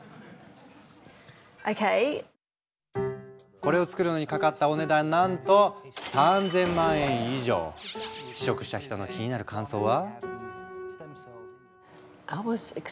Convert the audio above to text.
これを作るのにかかったお値段なんと試食した人の気になる感想は？